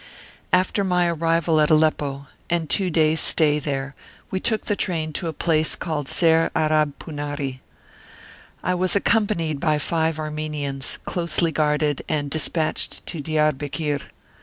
After my arrival at Aleppo, and two days' stay there, we took the train to a place called Ser Arab Pounari. I was accompanied by five Armenians, closely guarded, and despatched to Diarbekir.